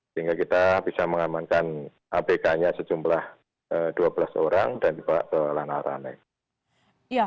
sehingga kita bisa mengamankan apk nya sejumlah dua belas orang dan juga ke lanah lanah lainnya